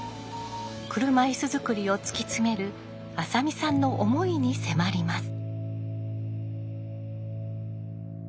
車いす作りを突き詰める浅見さんの思いに迫ります。